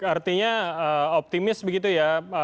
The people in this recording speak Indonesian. artinya optimis begitu ya